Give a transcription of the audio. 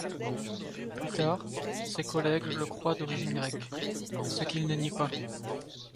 Plus tard, ses collègues le croient d'origine grecque, ce qu'il ne nie pas.